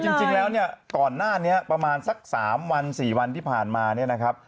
คือจริงแล้วก่อนหน้านี้ประมาณสัก๓๔วันที่ผ่านมา